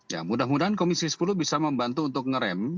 ya mudah mudahan komisi sepuluh bisa membantu untuk ngerem